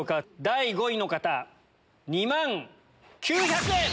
第５位の方２万９００円！